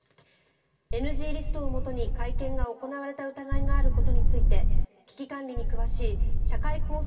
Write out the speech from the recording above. ＮＧリストをもとに会見が行われた疑いがあることについて危機管理に詳しい社会構想